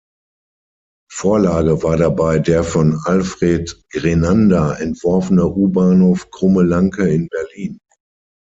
Vorlage war dabei der von Alfred Grenander entworfene U-Bahnhof Krumme Lanke in Berlin.